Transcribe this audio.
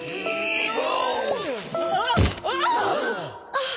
あっ。